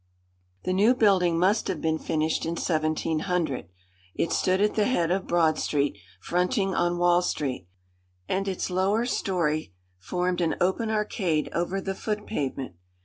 The new building must have been finished in 1700. It stood at the head of Broad Street, fronting on Wall Street; and its lower story formed an open arcade over the foot pavement.